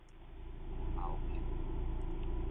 歐票